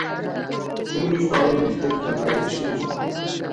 ټولې خواوې منطق ته غاړه کېږدي.